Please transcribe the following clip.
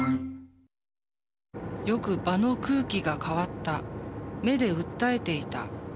よく「場の空気が変わった」「目で訴えていた」